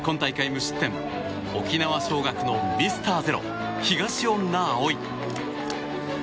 無失点沖縄尚学のミスターゼロ東恩納蒼。